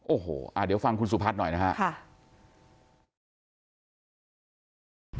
โอ้โหเดี๋ยวฟังคุณสุพัฒน์หน่อยนะครับ